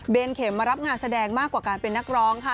เข็มมารับงานแสดงมากกว่าการเป็นนักร้องค่ะ